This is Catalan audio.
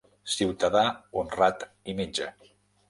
Ciutadà honrat i metge.